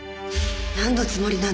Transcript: なんのつもりなの？